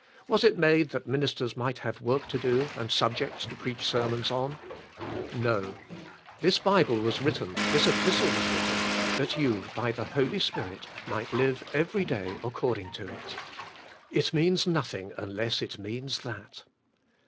Was it made that ministers might have work to do, and subjects to preach sermons on? No! This THE HOI.Y SPIRIT IN :e;phksians. 65 Bible was written, this Kpistle was written, that yoti, by the Holy Spirit, might live every day ac cording to it. It means nothing* unless it means that.